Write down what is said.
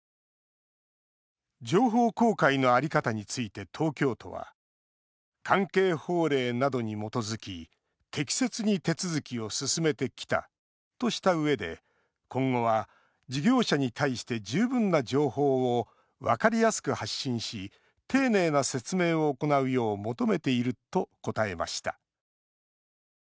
情報公開の在り方について東京都は関係法令などに基づき適切に手続きを進めてきたとしたうえで今後は事業者に対して十分な情報を分かりやすく発信し丁寧な説明を行うよう求めていると答えました。